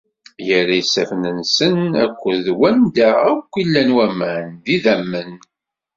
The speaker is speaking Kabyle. Irra isaffen-nsen akked wanda akk i llan waman, d idammen.